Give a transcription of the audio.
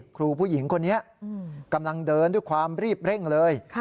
ครูผู้หญิงคนนี้กำลังเดินด้วยความรีบเร่งเลย